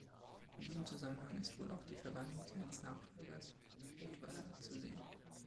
In diesem Zusammenhang ist wohl auch die Verbannung seines Nachfolgers Caedwalla zu sehen.